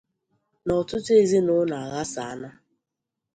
na ọtụtụ ezinaụlọ aghasaana